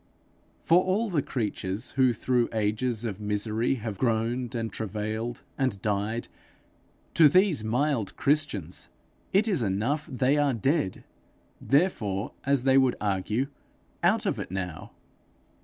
For all the creatures who through ages of misery have groaned and travailed and died, to these mild Christians it is enough that they are dead, therefore, as they would argue, out of it now!